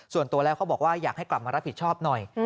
ส่วนตัวแล้วเขาบอกว่าอยากให้กลับมารับผิดชอบหน่อย